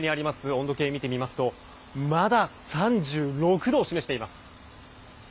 温度計を見てみますとまだ３６度を示しています。